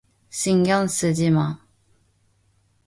신경 쓰지 마.